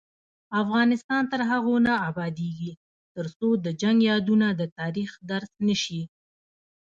افغانستان تر هغو نه ابادیږي، ترڅو د جنګ یادونه د تاریخ درس نشي.